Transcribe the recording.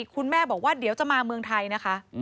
คุณแม่บอกว่าเดี๋ยวจะมาเมืองไทยนะคะ